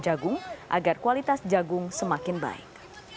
jagung agar kualitas jagung semakin baik